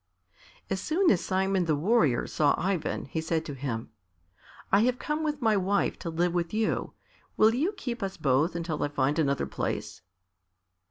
As soon as Simon the Warrior saw Ivan, he said to him, "I have come with my wife to live with you; will you keep us both until I find another place?"